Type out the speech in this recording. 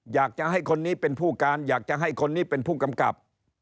อยากจะให้คนนี้เป็นผู้การอยากจะให้คนนี้เป็นผู้กำกับ